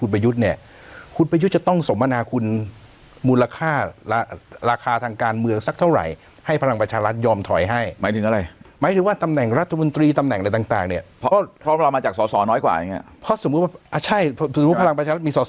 เพราะสมมุติว่าอ่าใช่สมมุติว่าพลังประชาติมีส่อส่อมากกว่าอย่างเงี้ย